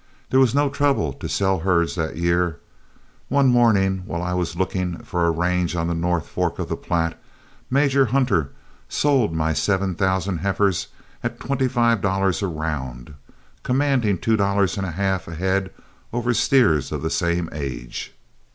There was no trouble to sell herds that year. One morning, while I was looking for a range on the north fork of the Platte, Major Hunter sold my seven thousand heifers at twenty five dollars around, commanding two dollars and a half a head over steers of the same age.